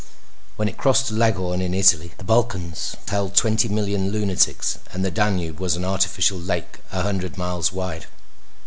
When it crossed to Leghorn in Italy the Balkans held twenty million lunatics and the Danube was an artificial lake a hundred miles wide.